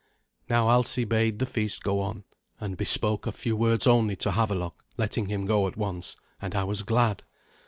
Now Alsi bade the feast go on, and be spoke a few words only to Havelok, letting him go at once, and I was glad.